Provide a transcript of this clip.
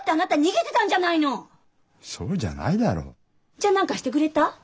じゃ何かしてくれた？